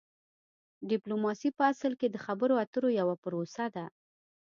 ډیپلوماسي په اصل کې د خبرو اترو یوه پروسه ده